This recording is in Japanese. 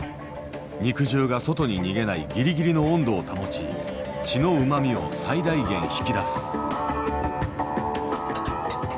肉汁が外に逃げないギリギリの温度を保ち血のうまみを最大限引き出す。